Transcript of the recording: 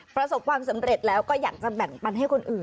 ประสบความสำเร็จแล้วก็อยากจะแบ่งปันให้คนอื่น